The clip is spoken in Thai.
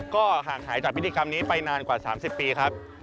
ก็ห่างหายจากพิธีกรรมนี้ไปนานกว่า๓๐ปีครับ